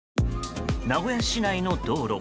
名古屋市内の道路。